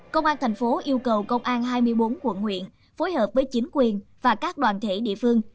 công an tp hcm yêu cầu công an hai mươi bốn quận nguyện phối hợp với chính quyền và các đoàn thể địa phương